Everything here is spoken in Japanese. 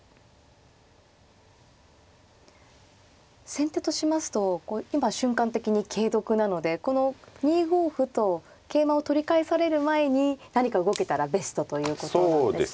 先手としますと今瞬間的に桂得なのでこの２五歩と桂馬を取り返される前に何か動けたらベストということなんですね。